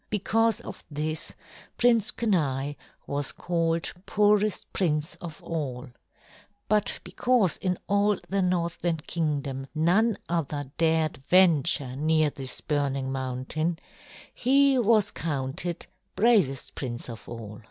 Because of this, Prince Kenai was called poorest prince of all; but because in all the Northland Kingdom none other dared venture near this burning mountain, he was counted bravest prince of all.